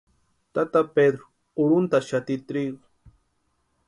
Tata Pedru urhuntʼaxati trigu.